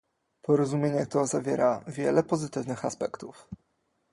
Porozumienie to zawiera wiele pozytywnych aspektów